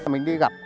mình đi gặp